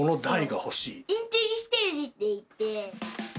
インテリステージっていって。